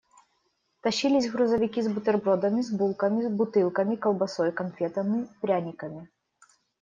Тащились грузовики с бутербродами, с булками, бутылками, колбасой, конфетами, пряниками.